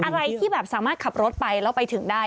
อะไรที่แบบสามารถขับรถไปแล้วไปถึงได้